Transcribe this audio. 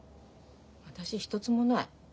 私一つもない。